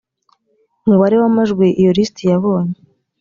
umubare w amajwi iyo lisiti yabonye